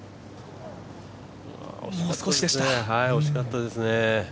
惜しかったですね。